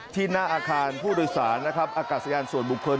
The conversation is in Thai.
ที่หน้าอาคารผู้โดยสารอากาศยานส่วนบุคคล